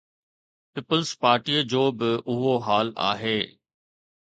Peoples پارٽيءَ جو به اهو حال آهي.